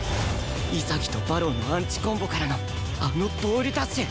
潔と馬狼のアンチ・コンボからのあのボール奪取